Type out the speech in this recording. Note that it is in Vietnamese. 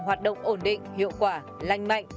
hoạt động ổn định hiệu quả lành mạnh